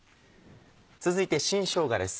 続いて新しょうがです。